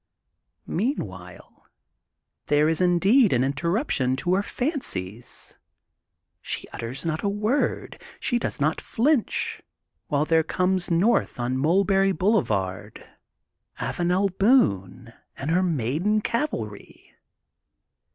Meanwhile there is indeed an interrup tion to her fancies, she utters not a word, she does not flinch, while there comes north on Mulberry Boulevard Avanel Boone and her maiden cavalry.